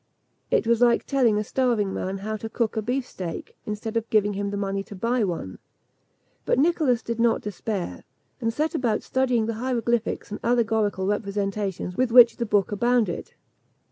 It was like telling a starving man how to cook a beef steak, instead of giving him the money to buy one. But Nicholas did not despair, and set about studying the hieroglyphics and allegorical representations with which the book abounded.